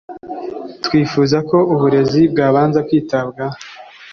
twifuza ko uburezi bwabanza kwitabwaho